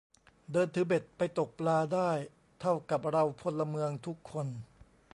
เดินถือเบ็ดไปตกปลาได้เท่ากับเราพลเมืองทุกคน